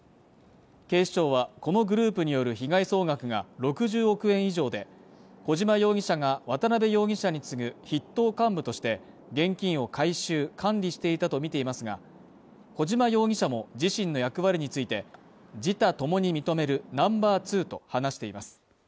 警視庁は、このグループによる被害総額が６０億円以上で、小島容疑者が渡辺容疑者に次ぐ筆頭幹部として現金を回収・管理していたとみていますが、小島容疑者も、自身の役割について、自他共に認めるナンバー２と話しています。